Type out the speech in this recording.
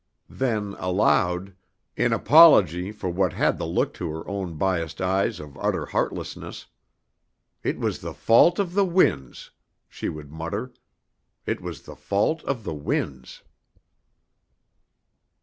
Then aloud, in apology for what had the look to her own biased eyes of utter heartlessness: "It was the fault of the winds," she would mutter, "it was the fault of the winds!"